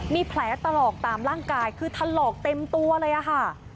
มีแผลตลอดตามร่างกายคือถลอกเต็มตัวเลยค่ะ